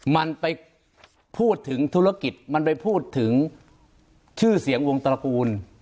มันไปพูดถึงธุรกิจมันไปพูดถึงชื่อเสียงวงตระกูล